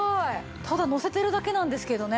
ただのせてるだけなんですけどね。